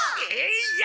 いや。